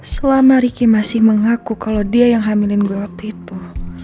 selama ricky masih mengaku kalau dia yang hamilin gue waktu itu